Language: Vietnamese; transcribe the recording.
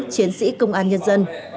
chiến sĩ công an nhân dân